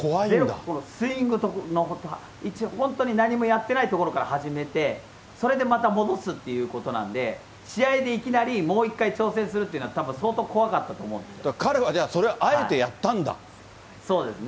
スイングの位置、本当に何もやってないところから始めて、それでまた戻すっていうことなんで、試合でいきなりもう一回挑戦するというのはたぶん相彼はじゃあ、それをあえてやそうですね。